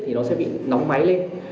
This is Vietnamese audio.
thì nó sẽ bị nóng máy lên